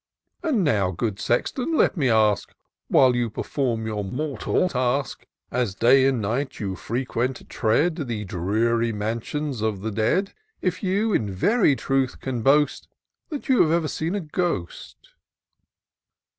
And now, good Sexton, let me ask. While you perform your mortal task, IN SEARCH OF THE PICTURESQUE. 83 As day and night you frequent tread The dreary mansions of the dead, If you, in very truth, can boast. That you have ever seen a ghost